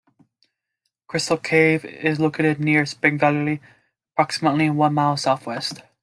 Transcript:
Crystal Cave is located near Spring Valley approximately one mile southwest.